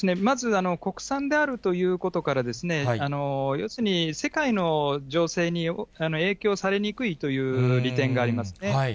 まず国産であるということから、要するに、世界の情勢に影響されにくいという利点がありますね。